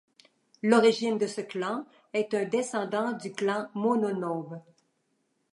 L'origine de ce clan est un descendant du clan Mononobe.